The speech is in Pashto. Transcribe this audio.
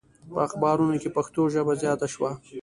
په اخبارونو کې پښتو ژبه زیاته شوه.